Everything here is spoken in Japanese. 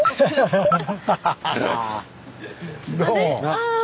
どうも。